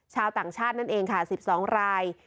ชาวต่างชาตินั่นเองค่ะ๑๒ราย